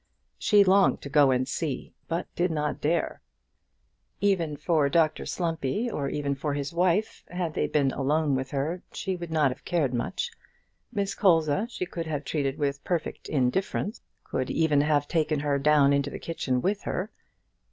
She longed to go and see, but did not dare. Even for Dr Slumpy, or even for his wife, had they been alone with her she would not have cared much. Miss Colza she could have treated with perfect indifference could even have taken her down into the kitchen with her.